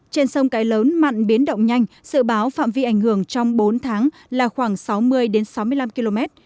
trên sông cái lớn mặn biến động nhanh dự báo phạm vi ảnh hưởng trong bốn tháng là khoảng sáu mươi đến sáu mươi năm km